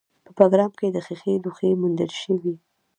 په بګرام کې د ښیښې لوښي موندل شوي